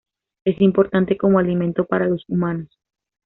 Es importante como alimento para los humanos